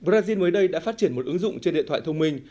hôm nay đã phát triển một ứng dụng trên điện thoại thông minh